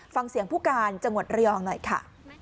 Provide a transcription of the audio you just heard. ฟังเสียงผู้การจังหวัดระยองหน่อยค่ะ